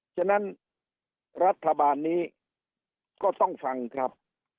ฉะนั้นรัฐบาลนี้ก็ต้องฟังครับ